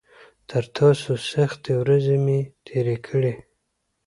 تر تاسو سختې ورځې مې تېرې کړي.